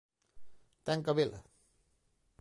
Ten que habela.